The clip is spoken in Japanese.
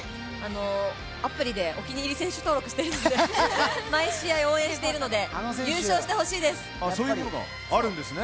アプリでお気に入り選手登録しているので、毎試合応援しているのでそういうものがあるんですね。